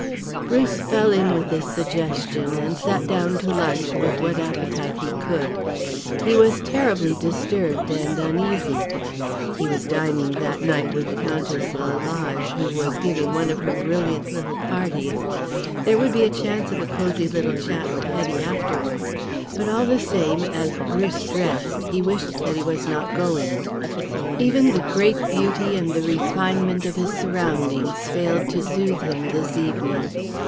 Bruce fell in with this suggestion, and sat down to lunch with what appetite he could. He was terribly disturbed and uneasy. He was dining that night with Countess Lalage, who was giving one of her brilliant little parties. There would be a chance of a cosy little chat with Hetty afterwards, but all the same as Bruce dressed he wished that he was not going. Even the great beauty and the refinement of his surroundings failed to soothe him this evening.